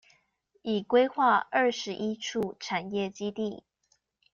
已規劃二十一處產業基地